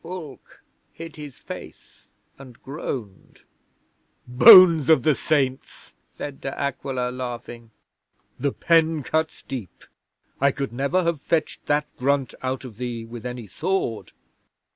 'Fulke hid his face and groaned. '"Bones of the Saints!" said De Aquila, laughing. "The pen cuts deep. I could never have fetched that grunt out of thee with any sword."